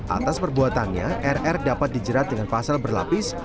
atas perbuatannya rr dapat dijerat dengan pasal berlapis